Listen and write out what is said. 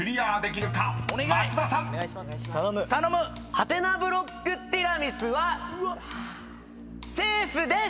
ハテナブロック・ティラミスはセーフです！